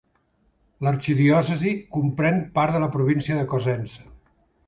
L'arxidiòcesi comprèn part de la província de Cosenza.